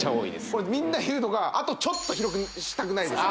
これみんな言うのがあとちょっと広くしたくないですか？